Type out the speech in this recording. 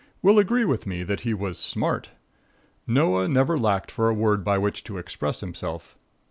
will agree with me that he was smart. Noah never lacked for a word by which to express himself.